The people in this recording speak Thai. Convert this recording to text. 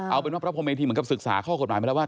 เอาเป็นว่าพระอบิจัยมีกลุ่มสึกษาเค้ากดหมายมาซึ่งว่า